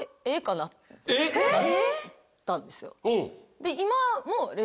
なったんですよ。